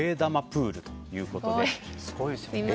プールということで。